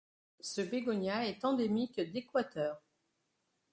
Ce bégonia est endémique d'Équateur.